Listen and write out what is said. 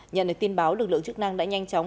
nhận được tin báo lực lượng chức năng đã nhanh chóng